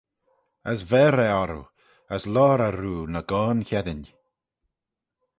As verr eh orroo, as loayr eh roo ny goan cheddin.